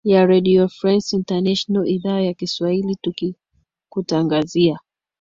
ya redio france international idhaa ya kiswahili tukikutangazia